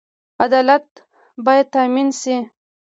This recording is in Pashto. عدالت باید تامین شي